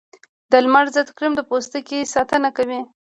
د لمر ضد کریم د پوستکي ساتنه کوي